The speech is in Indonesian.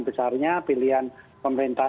besarnya pilihan pemerintah